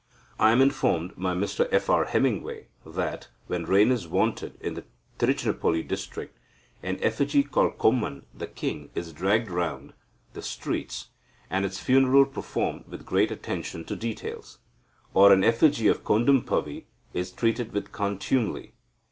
I am informed by Mr F. R. Hemingway that, when rain is wanted in the Trichinopoly district, an effigy called Koman (the king) is dragged round the streets, and its funeral performed with great attention to details. Or an effigy of Kodumpavi is treated with contumely.